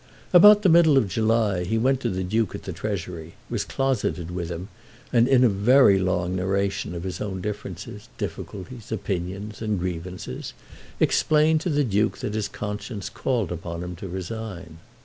About the middle of July he went to the Duke at the Treasury, was closeted with him, and in a very long narration of his own differences, difficulties, opinions, and grievances, explained to the Duke that his conscience called upon him to resign.